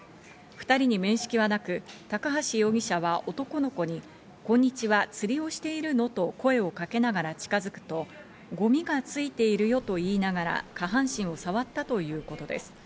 ２人に面識はなく、高橋容疑者は男の子にこんにちは、釣りをしている？のと声をかけながら近づくと、ゴミがついているよと言いながら下半身を触ったということです。